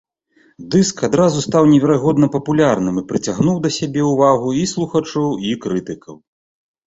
Дыск адразу стаў неверагодна папулярным і прыцягнуў да сябе ўвагу і слухачоў, і крытыкаў.